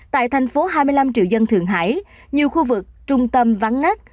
tại thành phố hai mươi năm triệu dân thượng hải nhiều khu vực trung tâm vắng ngách